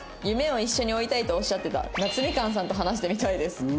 「夢を一緒に追いたいとおっしゃってたなつみかんさんと話してみたいです」。